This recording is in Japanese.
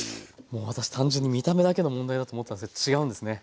もう私単純に見た目だけの問題だと思ってたんですけど違うんですね。